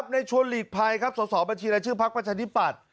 ในชวนหลีกภัยส่วนบัญชีชื่อพรรคประชานิปัตย์